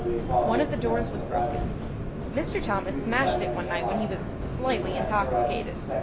One of the doors was broken. Mr. Thomas smashed it one night when he was slightly intoxicated.